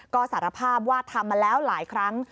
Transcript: ก็สารภาพว่าทำมาแล้วหลายครั้ง